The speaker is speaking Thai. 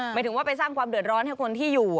หมายถึงว่าไปสร้างความเดือดร้อนให้คนที่อยู่